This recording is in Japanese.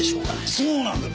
そうなんだよ。